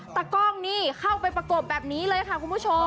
ตะกล้องนี่เข้าไปประกบแบบนี้เลยค่ะคุณผู้ชม